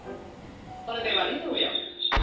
それではリズムよく。